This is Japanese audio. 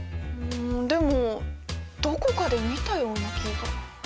でもどこかで見たような気が。